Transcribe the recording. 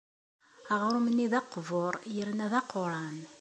Aɣrum-nni d aqbur yerna d aquran.